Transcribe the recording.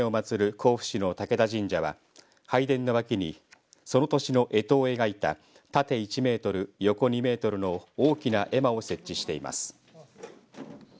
甲府市の武田神社は拝殿の脇にその年のえとを描いた縦１メートル横２メートルの大きな絵馬を設置しています。